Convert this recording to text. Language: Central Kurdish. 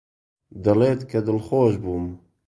دەڵێت کە دڵخۆش بووم.